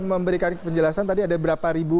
memberikan penjelasan tadi ada berapa ribu